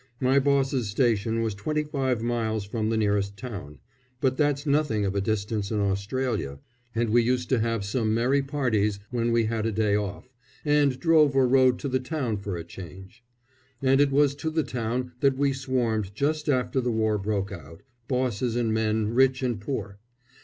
My boss's station was twenty five miles from the nearest town; but that's nothing of a distance in Australia, and we used to have some merry parties when we had a day off, and drove or rode to the town for a change. And it was to the town that we swarmed just after the war broke out bosses and men, rich and poor.